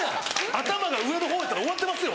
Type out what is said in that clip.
頭が上の方やったら終わってますよ